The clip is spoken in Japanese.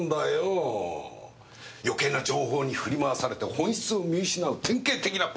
余計な情報に振り回されて本質を見失う典型的なパターンだ。